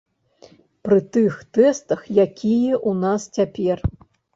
Пры тых тэстах, якія ў нас цяпер.